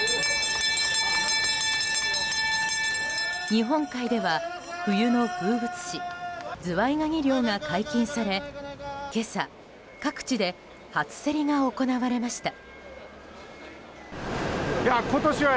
日本海では冬の風物詩ズワイガニ漁が解禁され今朝、各地で初競りが行われました。